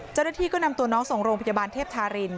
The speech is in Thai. เจ้าหน้าที่ก็นำตัวน้องส่งโรงพยาบาลเทพธาริน